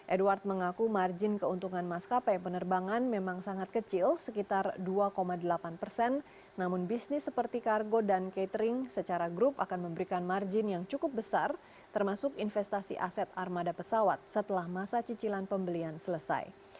edward mengaku margin keuntungan maskapai penerbangan memang sangat kecil sekitar dua delapan persen namun bisnis seperti kargo dan catering secara grup akan memberikan margin yang cukup besar termasuk investasi aset armada pesawat setelah masa cicilan pembelian selesai